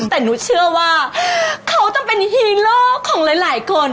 แต่หนูเชื่อว่าเขาต้องเป็นฮีโร่ของหลายคน